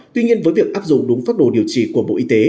tuy nhiên với việc áp dụng đúng pháp đồ điều trị của bộ y tế